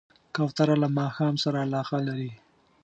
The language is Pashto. کوتره له ماښام سره علاقه لري.